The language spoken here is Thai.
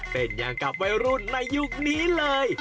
เป็นอย่างกับวัยรุ่นในยุคนี้เลย